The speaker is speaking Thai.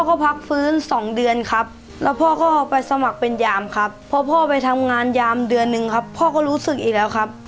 ก็พักฟื้นสองเดือนครับแล้วพ่อก็ไปสมัครเป็นยามครับพอพ่อไปทำงานยามเดือนหนึ่งครับพ่อก็รู้สึกอีกแล้วครับ